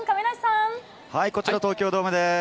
こちら東京ドームです。